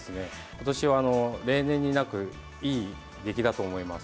今年は例年になくいい出来だと思います。